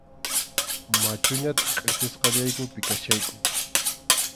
Machuñataq qʼipisqallaykupi kachkayku.